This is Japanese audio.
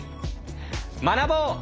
学ぼう！